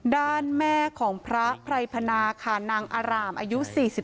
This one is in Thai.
ด้านแม่ของพระไพรพณะหนังอารามอายุ๔๔